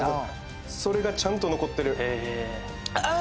それがちゃんと残ってるああー